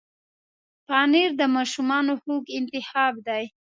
پنېر د ماشومانو خوږ انتخاب دی.